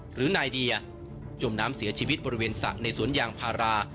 หรือนายเดียจมน้ำเสียชีวิตบริเวณสระในสวนยางพารา